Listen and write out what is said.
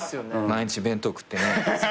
毎日弁当食ってね。